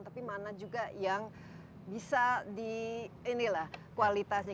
tapi mana juga yang bisa di ini lah kualitasnya